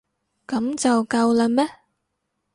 噉就夠喇咩？